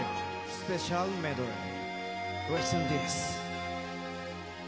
スペシャルメドレー。